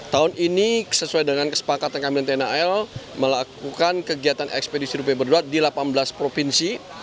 tahun ini sesuai dengan kesepakatan kamil tni al melakukan kegiatan ekspedisi rubeberat di delapan belas provinsi